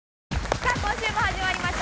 さあ今週も始まりました